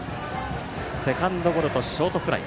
セカンドゴロとショートフライ。